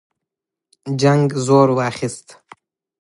جنګ زور واخیست.